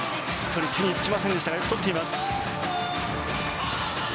手につきませんでしたがよく取っています。